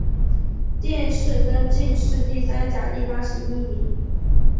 殿试登进士第三甲第八十一名。